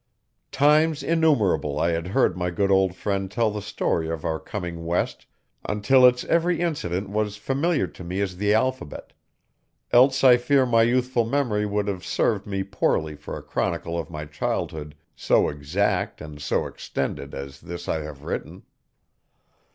Times innumerable I had heard my good old friend tell the story of our coming west until its every incident was familiar to me as the alphabet. Else I fear my youthful memory would have served me poorly for a chronicle of my childhood so exact and so extended as this I have written.